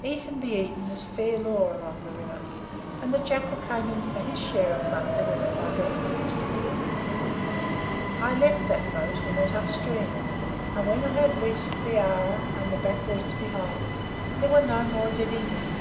Eat and be eaten was fair law along the river, and the Jackal came in for his share of plunder when the Mugger had finished a meal.) "I left that boat and went up stream, and, when I had reached Arrah and the back waters behind it, there were no more dead English.